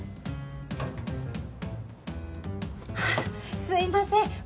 あっすいません。